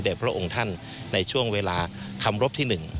พระองค์ท่านในช่วงเวลาคำรบที่๑